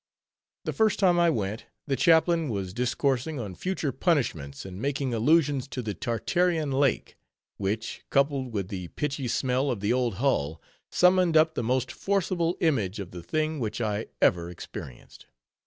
The first time I went, the chaplain was discoursing on future punishments, and making allusions to the Tartarean Lake; which, coupled with the pitchy smell of the old hull, summoned up the most forcible image of the thing which I ever experienced.